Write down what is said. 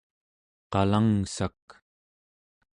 qalangssak